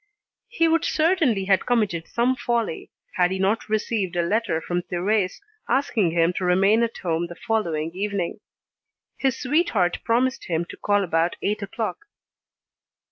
He would certainly have committed some folly, had he not received a letter from Thérèse, asking him to remain at home the following evening. His sweetheart promised him to call about eight o'clock.